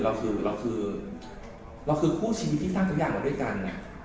เราคือเราคือคู่ชีวิตที่สร้างทุกอย่างมาด้วยกัน